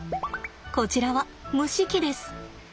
こちらは蒸し器です。